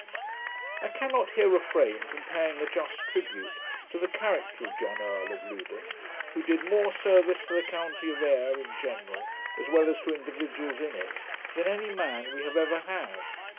I cannot here refrain from paying a just tribute to the character of John Earl of Loudoun, who did more service to the county of Ayr in general, as well as to individuals in it, than any man we have ever had.